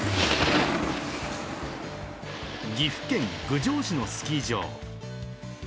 岐阜県郡上市のスキー場。